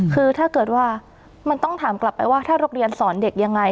คือถ้าเกิดว่ามันต้องถามกลับไปว่าถ้าโรงเรียนสอนเด็กยังไง